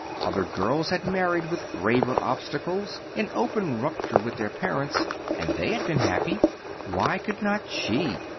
Other girls had married with graver obstacles, in open rupture with their parents, and they had been happy. Why could not she?